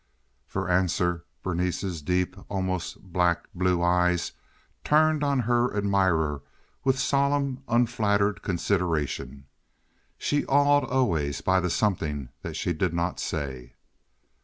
For answer Berenice's deep, almost black blue eyes turned on her admirer with solemn unflattered consideration. She awed always by the something that she did not say.